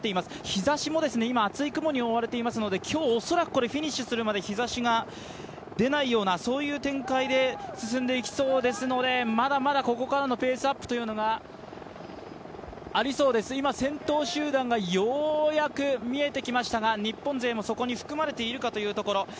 日ざしも厚い雲に覆われていますので今日、恐らくフィニッシュするまで日ざしがでないようなそういう展開で進んでいきそうですのでまだまだ、ここからのペースアップというのが今、先頭集団がようやく見えてきましたが日本勢も、そこに含まれているかというところ。